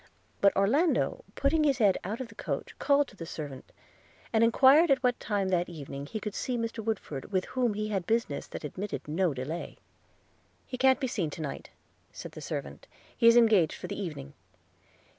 But Orlando, putting his head out of the coach, called to the servant, and enquired at what time that evening he could see Mr. Woodford, with whom he had business that admitted of no delay. 'He can't be seen to night,' said the servant; 'he is engaged for the evening.'